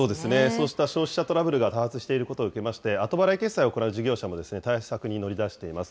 そうした消費者トラブルが多発していることを受けまして、後払い決済を行う事業者も対策に乗り出しています。